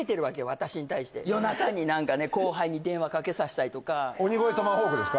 私に対して夜中に何かね後輩に電話かけさせたりとか鬼越トマホークですか？